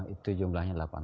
itu jumlahnya delapan orang